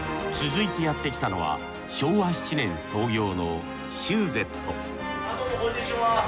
続いてやってきたのは昭和７年創業のどうもこんにちは。